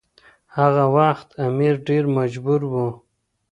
هغه وخت امیر ډیر مجبور و.